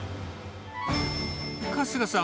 春日さん